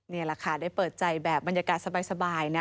นี่แหละค่ะได้เปิดใจแบบบรรยากาศสบายนะ